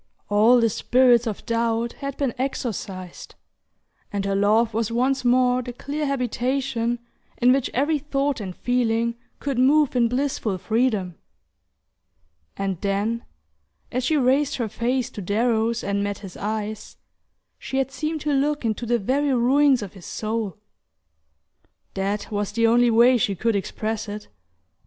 All the spirits of doubt had been exorcised, and her love was once more the clear habitation in which every thought and feeling could move in blissful freedom. And then, as she raised her face to Darrow's and met his eyes, she had seemed to look into the very ruins of his soul. That was the only way she could express it.